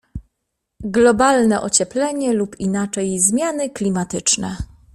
Globalne ocieplenie lub inaczej zmiany klimatyczne.